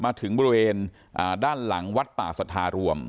มาถึงบริเวณด้านหลังวัดป่าสัทธารวม